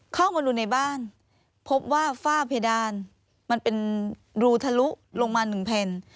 เข้ามาดูในบ้านพบว่าฝ้าเพดานมันเป็นรูทะลุลงมาหนึ่งแผ่น